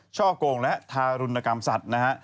ช่อกงและทารุณกรรมสัตว์นะฮะ